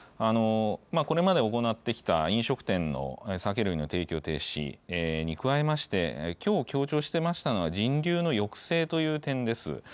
これまで行ってきた飲食店の酒類の提供停止に加えまして、きょう強調してましたのは人流の抑制という点です。